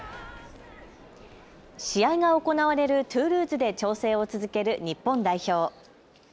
試合が行われるトゥールーズで調整を続ける日本代表。